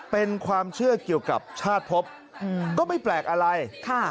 เป็นความเชื่อเกี่ยวกับชาติพบก็ไม่แปลกอะไร